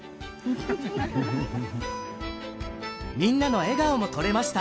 みんなの笑顔もとれました